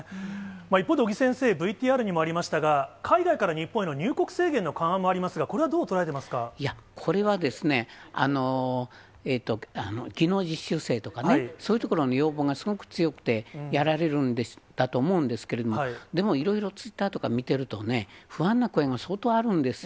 一方で尾木先生、ＶＴＲにもありましたが、海外から日本への入国制限の緩和もありますが、いや、これはですね、技能実習生とか、そういうところの要望がすごく強くて、やられるんだと思うんですけど、でもいろいろツイッターとか見てるとね、不安の声も相当あるんですよ。